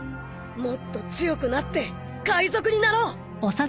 もっと強くなって海賊になろう！